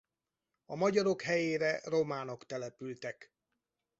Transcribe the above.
A magyarok helyére románok települtek.